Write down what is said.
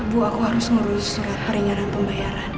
bu aku harus ngurus surat peringatan pembayaran